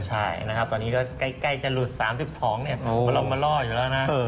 ใช่นะครับตอนนี้ก็ใกล้จะหลุด๓๒เรามาล่ออยู่แล้วนะ